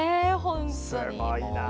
すごいな。